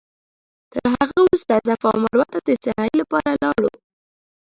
تر هغه وروسته صفا او مروه ته د سعې لپاره لاړو.